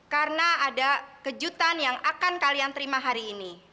karena ada kejutan yang akan kalian terima hari ini